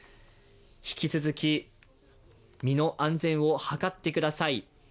引き続き、身の安全を図ってください。